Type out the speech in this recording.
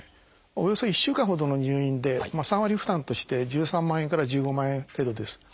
およそ１週間ほどの入院で３割負担として１３万円から１５万円程度です。